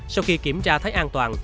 sau khi kiểm tra thấy an toàn